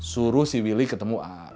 suruh si willy ketemu a